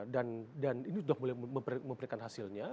dan ini sudah memperlukan hasilnya